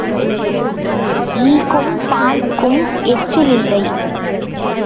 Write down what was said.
ஈக்கும் பாலுக்கும் எச்சில் இல்லை.